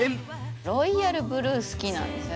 ロイヤルブルー好きなんですよね。